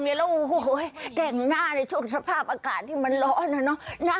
แล้วแกล้งหน้าในสภาพอากาศที่เหลาหน่อยเนาะ